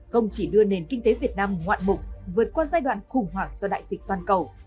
không chỉ đưa nền kinh tế việt nam ngoạn mục vượt qua giai đoạn khủng hoảng do đại dịch toàn cầu